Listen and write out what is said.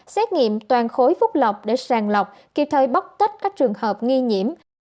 xét nghiệm toàn khối phúc lộc để sàng lọc kịp thời bóc tích các trường hợp nghi nhiễm